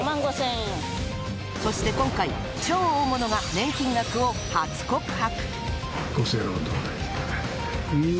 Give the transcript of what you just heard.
そして今回、超大物が年金額を初告白。